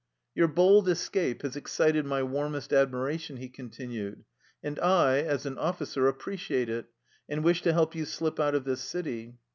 " Your bold escape has excited my warmest admiration," he continued, " and I, as an officer, appreciate it, and wish to help you slip out of this city.